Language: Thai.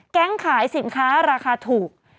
ขายสินค้าราคาถูก